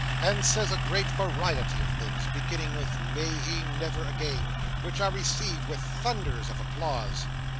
and says a great variety of things, beginning with "May he never again," which are received with thunders of applause.